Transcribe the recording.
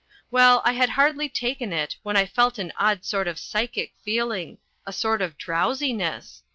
Well, I had hardly taken it when I felt an odd sort of psychic feeling a sort of drowsiness.